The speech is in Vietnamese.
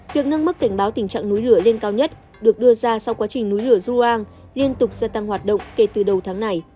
việc nâng mức cảnh báo tình trạng núi lửa lên cao nhất được đưa ra sau quá trình núi lửa ruang liên tục gia tăng hoạt động kể từ đầu tháng này